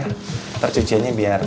nanti cuciannya biar